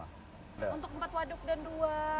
untuk empat waduk dan dua